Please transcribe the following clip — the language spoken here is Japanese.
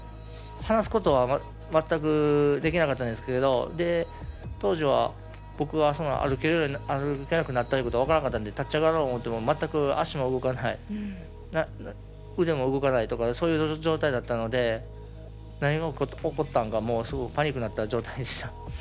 話すことは全くできなかったんですけど当時、僕は歩けなくなったことが分からなかったので立ち上がろうと思っても全く足も動かない腕も動かないそういう状態だったので何が起こったのかすごくパニックになった状態でした。